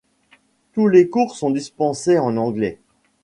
Tous les cours sont dispensés en anglais.